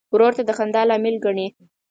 ورور ته د خندا لامل ګڼې.